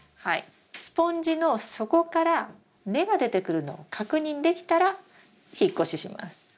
スポンジの底から根が出てくるのを確認できたら引っ越しします。